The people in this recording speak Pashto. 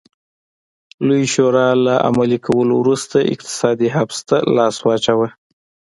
لویې شورا له عملي کولو وروسته اقتصادي حبس ته لاس واچاوه.